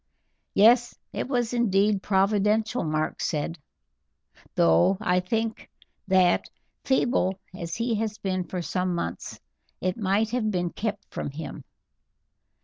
"Yes, it was indeed providential," Mark said, "though I think that, feeble as he has been for some months, it might have been kept from him.